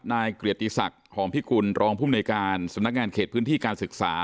นายเกียรติศักดิ์หอมพิกุลรองภูมิในการสำนักงานเขตพื้นที่การศึกษา